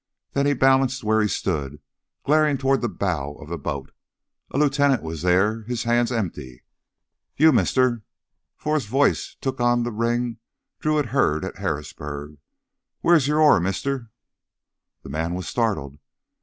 Then he balanced where he stood, glaring toward the bow of the boat. A lieutenant was there, his hands empty. "You ... Mistuh " Forrest's voice took on the ring Drew had heard at Harrisburg. "Wheah's your oar, Mistuh?" The man was startled.